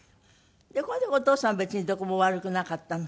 この時お父さんは別にどこも悪くなかったの？